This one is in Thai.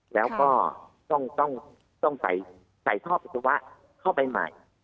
แล้วก็ต้องใส่ท่อปัสสาวะเข้าไปใหม่